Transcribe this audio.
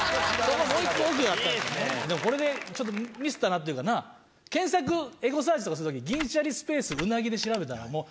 でもこれでちょっとミスったなっていうかな検索エゴサーチとかするときに「銀シャリ」スペース「鰻」で調べたらもう。